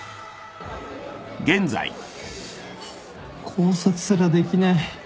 考察すらできない。